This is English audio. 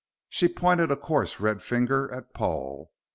She pointed a coarse, red finger at Paul.